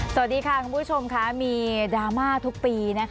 สวัสดีค่ะคุณผู้ชมค่ะมีดราม่าทุกปี